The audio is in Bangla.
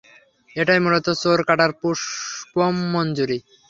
এটাই মূলত চোরকাটার পুষ্পমঞ্জুরি।